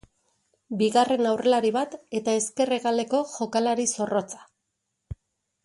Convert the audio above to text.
Bigarren aurrelari bat eta ezker hegaleko jokalari zorrotza.